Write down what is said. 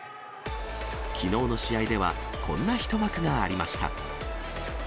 きのうの試合では、こんな一幕がありました。